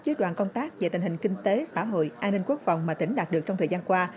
với đoàn công tác về tình hình kinh tế xã hội an ninh quốc phòng mà tỉnh đạt được trong thời gian qua